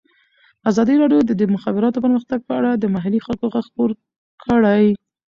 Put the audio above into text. ازادي راډیو د د مخابراتو پرمختګ په اړه د محلي خلکو غږ خپور کړی.